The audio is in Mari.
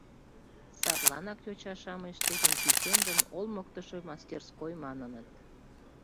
Садланак йоча-шамыч тудын кӱсенжым олмыктышо мастерской маныныт.